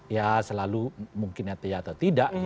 ya selalu mungkin ya atau tidak